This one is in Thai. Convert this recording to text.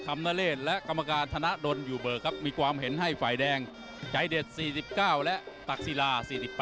มีความเห็นให้ฝ่ายแดงใจเดช๔๙และตักศีลา๔๘